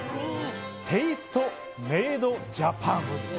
テイストメイドジャパン。